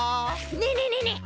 ねえねえねえねえ